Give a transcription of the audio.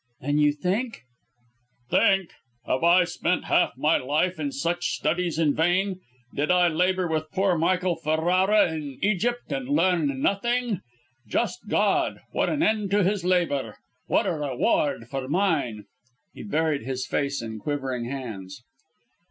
"Then you think " "Think! Have I spent half my life in such studies in vain? Did I labour with poor Michael Ferrara in Egypt and learn nothing? Just God! what an end to his labour! What a reward for mine!" He buried his face in quivering hands.